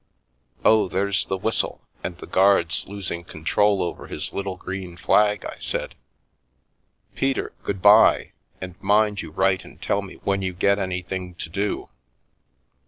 " Oh, there's the whistle, and the guard's losing control over his little green flag," I said. " Peter, good bye, and mind you write and tell me when you get anything to do."